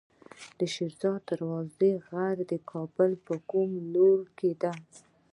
شیر دروازه غر د کابل په کوم لوري دی؟